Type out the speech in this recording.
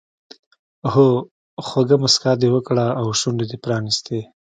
هو خوږه موسکا دې وکړه او شونډې دې پرانیستې.